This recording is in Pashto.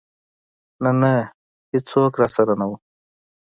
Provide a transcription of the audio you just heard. نه نه ايڅوک راسره نه و.